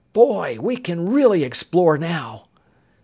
"Boy, we can really explore now!"